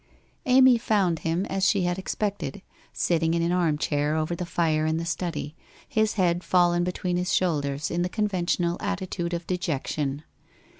Amy found him as she had expected, sitting in an armchair over the fire in the study, his head fallen be tween his shoulders in the conventional attitude of de jection.